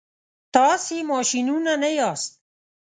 تاسي ماشینونه نه یاست.